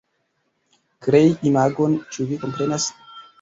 Krei imagon, ĉu vi komprenas?